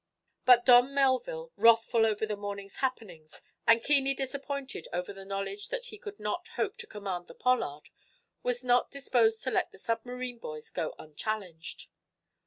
But Don Melville, wrathful over the morning's happenings, and keenly disappointed over the knowledge that he could not hope to command the "Pollard," was not disposed to let the submarine boys go unchallenged.